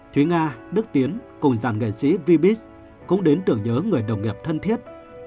thúy nga đức tiến cùng giảng nghệ sĩ vbis cũng đến tưởng nhớ người đồng nghiệp thân thiết